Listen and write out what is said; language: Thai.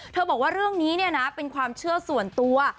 บอกว่าเรื่องนี้เนี่ยนะเป็นความเชื่อส่วนตัว